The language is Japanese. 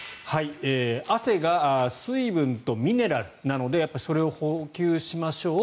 汗が水分とミネラルなのでそれを補給しましょう。